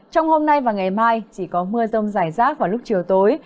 trong hôm nay và ngày mai chỉ có mưa rông rải rác vào lúc chiều tối